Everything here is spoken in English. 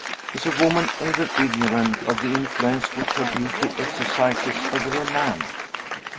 Is a woman ever ignorant of the influence which her beauty exercises over a man?